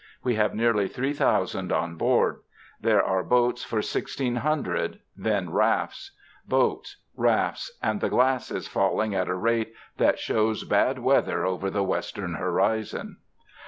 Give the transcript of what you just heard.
We have nearly three thousand on board. There are boats for sixteen hundred then rafts. Boats rafts and the glass is falling at a rate that shows bad weather over the western horizon!